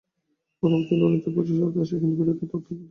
গোরার প্রতি ললিতার প্রচুর শ্রদ্ধা আছে, কিন্তু বিরুদ্ধতাও অত্যন্ত তীব্র।